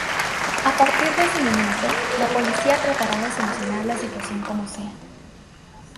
A partir de ese momento, la policía tratará de solucionar la situación como sea.